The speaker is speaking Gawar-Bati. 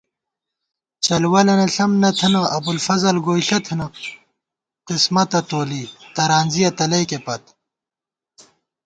چلوَلَنہ ݪم نہ تھنہ ، ابُوالفضل گوئیݪہ تھنہ، قسمَتہ تولی، ترانزِیَہ تلَئیکےپت